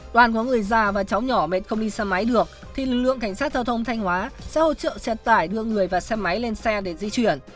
đoàn có người già và cháu nhỏ mệt không đi xe máy được thì lực lượng cảnh sát giao thông thanh hóa sẽ hỗ trợ xe tải đưa người và xe máy lên xe để di chuyển